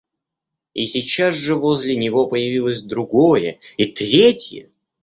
И сейчас же возле него появилось другое и третье.